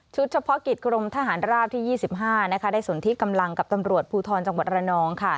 เฉพาะกิจกรมทหารราบที่๒๕ได้สนที่กำลังกับตำรวจภูทรจังหวัดระนอง